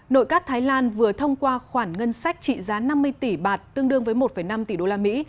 nội các thái lan vừa thông qua khoản ngân sách trị giá năm mươi tỷ bạt tương đương với một năm tỷ đô la mỹ